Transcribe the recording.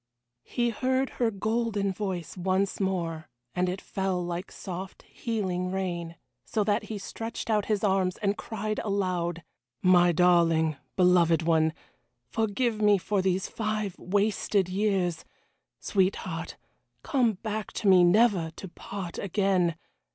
He heard her golden voice once more, and it fell like soft, healing rain, so that he stretched out his arms, and cried aloud: "My darling, beloved one, forgive me for these five wasted years sweetheart, come back to me never to part again.